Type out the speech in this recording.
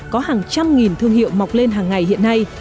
có hàng trăm nghìn thương hiệu mọc lên hàng ngày hiện nay